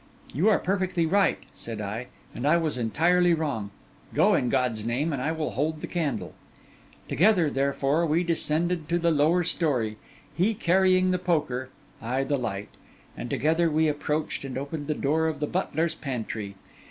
'You are perfectly right,' said I, 'and I was entirely wrong. Go, in God's name, and I will hold the candle!' Together, therefore, we descended to the lower story, he carrying the poker, I the light; and together we approached and opened the door of the butler's pantry.